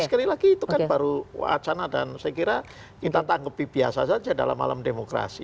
sekali lagi itu kan baru wacana dan saya kira kita tanggapi biasa saja dalam alam demokrasi